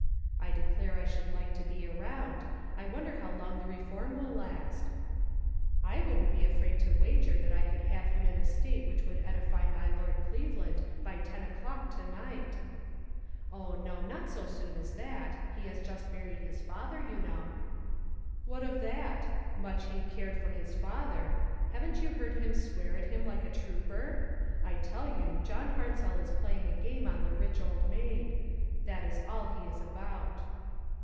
I declare I should like to be around; I wonder how long the reform will last?" "I wouldn't be afraid to wager that I could have him in a state which would edify my lord Cleveland by ten o'clock to night" " Oh, no, not so soon as that. He has just buried his father, you know." " What of that ? Much he cared for his father ! Haven't you heard him swear at him like a trooper? I tell you, John Hart zell is playing a game on the rich old maid; that is all he is about."